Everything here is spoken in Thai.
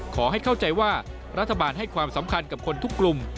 ขอให้เข้าใจว่ารัฐบาลให้ความสำคัญกับคนทุกกลุ่ม